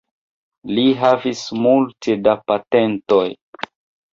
Li havis multe da patentoj.